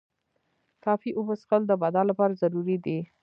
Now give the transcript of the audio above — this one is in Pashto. کافی اوبه څښل د بدن لپاره ضروري دي.